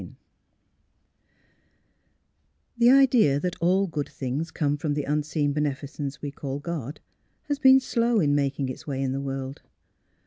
VII THE idea that all good things come from the unseen Beneficence we call God has been slow in making its way in the world.